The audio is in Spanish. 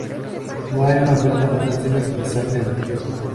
No hay una oferta fantástica que me saque del retiro.